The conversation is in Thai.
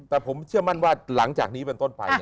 แต่ผมเชื่อมั่นว่าหลังจากนี้เป็นต้นไป